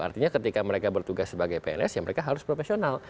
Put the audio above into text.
artinya ketika mereka bertugas sebagai pns ya mereka harus profesional